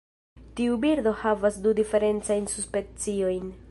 Tiu birdo havas du diferencajn subspeciojn.